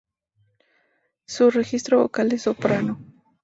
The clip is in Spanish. Su registro vocal es soprano.